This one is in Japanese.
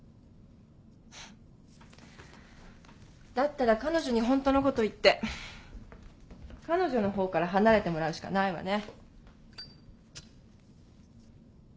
だったら彼女にホントのこと言って彼女のほうから離れてもらうしかないわね。